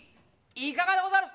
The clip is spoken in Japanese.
いかがでござる？